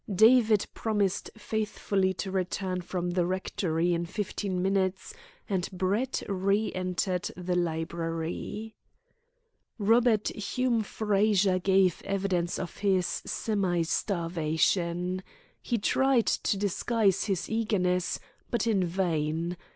David promised faithfully to return from the rectory in fifteen minutes, and Brett re entered the library. Robert Hume Frazer gave evidence of his semi starvation. He tried to disguise his eagerness, but in vain.